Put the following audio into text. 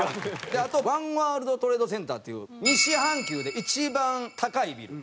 であとワン・ワールド・トレード・センターっていう西半球で一番高いビル。